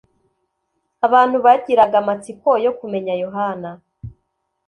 abantu bagiraga amatsiko yo kumenya yohana.